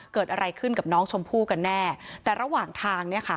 เกิดอะไรขึ้นกับน้องชมพู่กันแน่แต่ระหว่างทางเนี่ยค่ะ